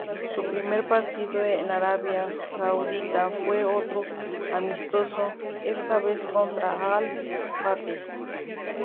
Su primer partido en Arabia Saudita fue otro amistoso, esta vez contra Al-Fateh.